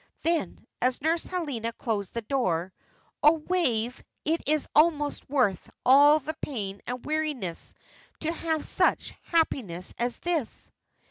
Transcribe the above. Then, as Nurse Helena closed the door, "Oh, Wave, it is almost worth all the pain and weariness, to have such happiness as this!"